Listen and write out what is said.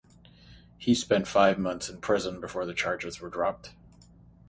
He spent five months in prison, before the charges were dropped.